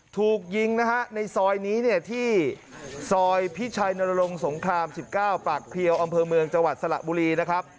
ถูกยิงนะฮะในซอยนี้เนี่ยที่ซอยพิชัยนรงค์สงคราม๑๙ปากเพลียวอำเภอเมืองจังหวัดสระบุรีนะครับ